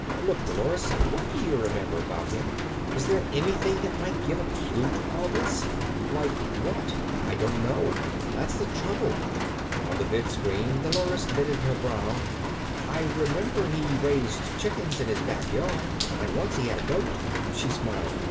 Look, Dolores. What do you remember about him? Is there anything that might give a clue to all this?" "Like what?" "I don't know. That's the trouble." On the vidscreen Dolores knitted her brow. "I remember he raised chickens in his back yard, and once he had a goat." She smiled.